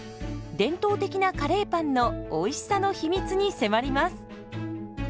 伝統的なカレーパンのおいしさの秘密に迫ります。